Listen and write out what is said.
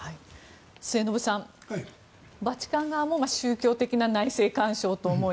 末延さん、バチカン側も宗教的な内政干渉と思い